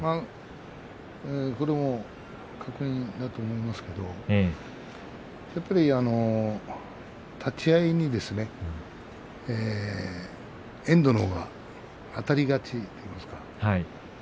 これも確認だと思いますがやっぱり立ち合いに遠藤のほうがあたり勝ちですね。